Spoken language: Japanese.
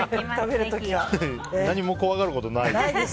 何も怖がることない。